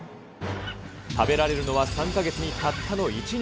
食べられるのは３か月にたったの１日。